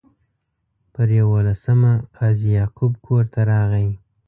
پر یوولسمه قاضي یعقوب کور ته راغی.